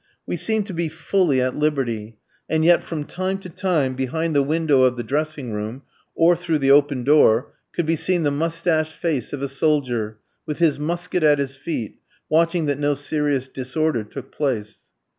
We seemed to be fully at liberty; and yet from time to time, behind the window of the dressing room, or through the open door, could be seen the moustached face of a soldier, with his musket at his feet, watching that no serious disorder took place.